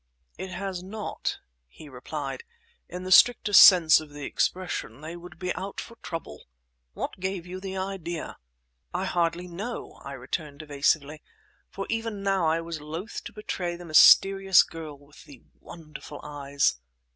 "It has not," he replied. "In the strictest sense of the expression, they would be out for trouble! What gave you the idea?" "I hardly know," I returned evasively, for even now I was loath to betray the mysterious girl with the wonderful eyes.